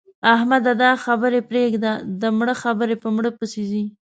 احمده! دا خبرې پرېږده؛ د مړه خبرې په مړه پسې ځي.